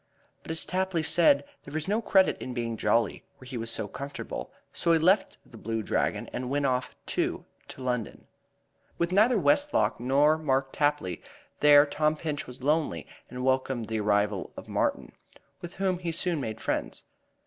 But, as Tapley said, there was no credit in being jolly where he was so comfortable, so he left The Blue Dragon and went off, too, to London. With neither Westlock nor Mark Tapley there Tom Pinch was lonely and welcomed the arrival of Martin, with whom he soon made friends. Mr.